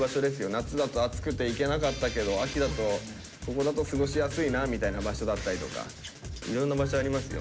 夏だと暑くて行けなかったけど秋だとここだと過ごしやすいなみたいな場所だったりとかいろんな場所ありますよ。